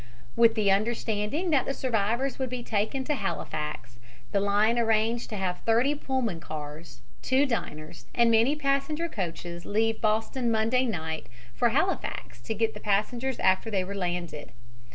With the understanding that the survivors would be taken to Halifax the line arranged to have thirty Pullman cars, two diners and many passenger coaches leave Boston Monday night for Halifax to get the passengers after they were landed.